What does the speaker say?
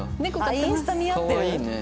インスタ見合ってる？